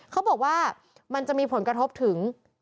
เขาบอกว่ามันจะมีผลกระทบถึง